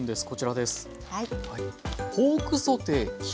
こちらです。